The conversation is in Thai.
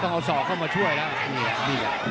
ต้องเอาศอกเข้ามาช่วยแล้ว